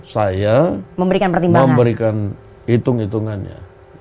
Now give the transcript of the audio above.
saya memberikan hitung hitungannya